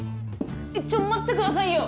えっちょっと待ってくださいよ。